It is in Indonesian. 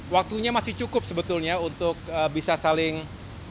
waktunya masih cukup sebetulnya untuk bisa saling